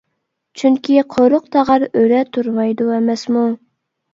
چۈنكى، «قورۇق تاغار ئۆرە تۇرمايدۇ» ئەمەسمۇ؟ !